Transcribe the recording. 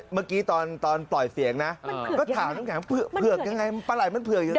เมื่อกี้ตอนปล่อยเสียงนะก็ถามน้ำแข็งเผือกยังไงปลาไหล่มันเผือกยังไง